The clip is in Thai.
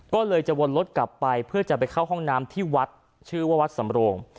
ก็เลยจะวนรถกลับไปเพื่อจะไปเข้าห้องน้ำที่วัดชื่อว่าวัดสำโรง